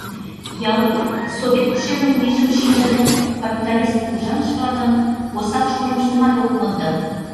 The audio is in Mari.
Ял, Совет Ушемын вийжым шижын, капиталист кугыжаныш-влакын осал шонымыштымат ок мондо.